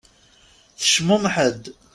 Tecmumeḥ-d.